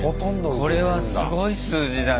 これはすごい数字だね。